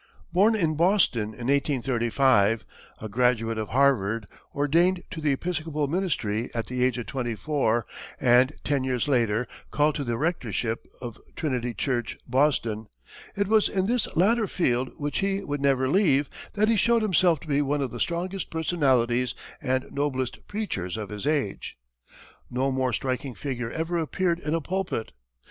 Born in Boston in 1835, a graduate of Harvard, ordained to the Episcopal ministry at the age of twenty four, and ten years later called to the rectorship of Trinity church, Boston, it was in this latter field, which he would never leave, that he showed himself to be one of the strongest personalities and noblest preachers of his age. No more striking figure ever appeared in a pulpit.